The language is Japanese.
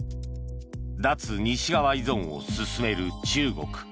脱西側依存を進める中国。